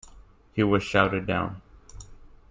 He was shouted down.